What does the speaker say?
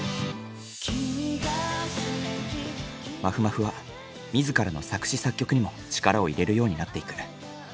まふまふは自らの作詞作曲にも力を入れるようになっていく。